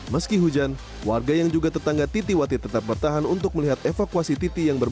meski hujan warga yang juga tetangga titi wati tetap bertahan untuk melihatnya